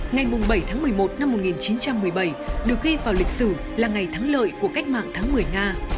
ngày bảy tháng một mươi một năm một nghìn chín trăm một mươi bảy được ghi vào lịch sử là ngày thắng lợi của cách mạng tháng một mươi nga